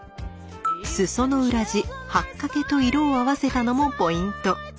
裾の裏地「八掛」と色を合わせたのもポイント。